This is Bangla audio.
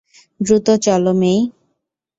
দ্রুত চলো, মেই।